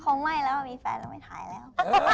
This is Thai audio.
คงไหว้แล้วว่ามีแฟนเราไม่ถ่ายแล้ว